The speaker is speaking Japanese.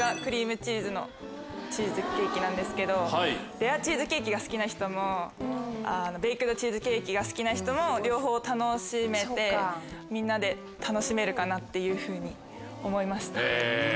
レアチーズケーキが好きな人もベークドチーズケーキが好きな人も両方楽しめてみんなで楽しめるかなっていうふうに思いました。